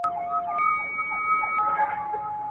د آبادۍ د کرارۍ او د ښارونو کیسې.